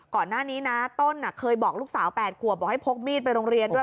ก่อนหน้านี้นะต้นเคยบอกลูกสาว๘ขวบบอกให้พกมีดไปโรงเรียนด้วย